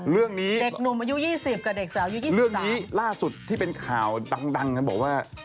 เรื่องนี้ล่าสุดที่เป็นข่าวดังบอกว่า